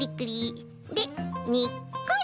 でにっこり！